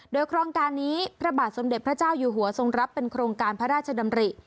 โดยโครงการนี้พระบาทสมเด็จพระเจ้าอยู่หัวทรงรับเป็นโครงการพระราชดำริ